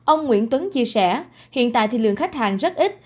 ông nguyễn tuấn chia sẻ hiện tại thì lượng khách hàng rất ít